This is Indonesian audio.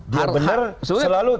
dia benar selalu